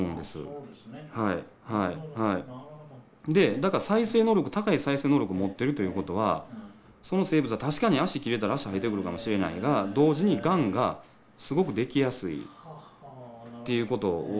だから高い再生能力を持っているということはその生物は確かに足切れたら足生えてくるかもしれないが同時にがんがすごく出来やすいということなんじゃないかなと。